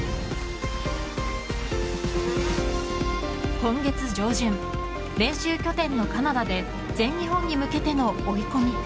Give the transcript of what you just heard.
今月上旬練習拠点のカナダで全日本に向けての追い込み。